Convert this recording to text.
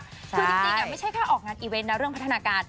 คือที่จริงไม่ใช่แค่ออกงานอีเวนนะ